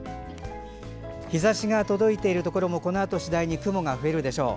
日ざしが届いているところも次第に雲が増えるでしょう。